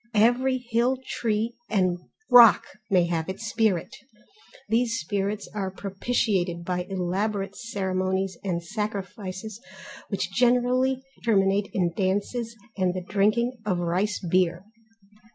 Every hill tree and rock may have its spirit. These spirits are propitiated by elaborate ceremonies and sacrifices which generally terminate in dances, and the drinking of rice beer.